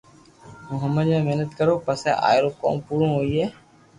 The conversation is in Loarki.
او ھون ح محنت ڪرو پسو آئرو ڪوم پورو ڪرو